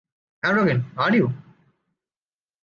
arrogant are you?